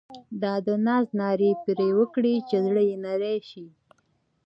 دا د ناز نارې یې پر وکړې چې زړه یې نری شي.